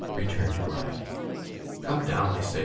returned Gride. 'Come down, I say.